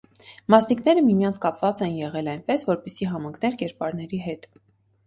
Մասնիկները միմյանց կապված են եղել այնպես, որպեսզի համընկներ կերպարների հետ։